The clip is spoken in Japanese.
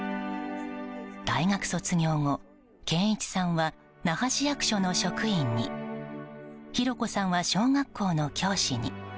大学卒業後、健一さんは那覇市役所の職員に弘子さんは小学校の教師に。